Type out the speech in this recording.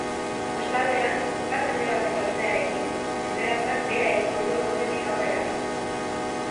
Kostaldean, ipar-mendebaldeko haizearekin, tenperaturak behera egingo du eguerditik aurrera.